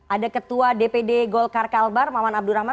ada ketua dpd golkar kalbar maman abdurrahman